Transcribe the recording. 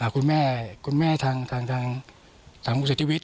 คุณแม่ทางภูมิเสียชีวิต